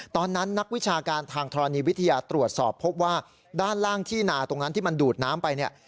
นักวิชาการทางธรณีวิทยาตรวจสอบพบว่าด้านล่างที่นาตรงนั้นที่มันดูดน้ำไปเนี่ย